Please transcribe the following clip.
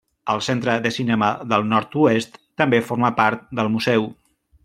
El Centre de Cinema del Nord-oest també forma part del museu.